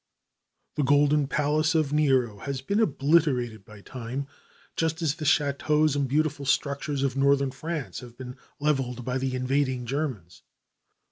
The Golden Palace of Nero has been obliterated by time, just as the chateaus and beautiful structures of northern France have been leveled by the invading Germans.